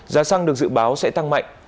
giá xăng được dự báo sẽ tăng mạnh